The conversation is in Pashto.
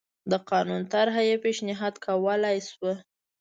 د قانون طرحه یې پېشنهاد کولای شوه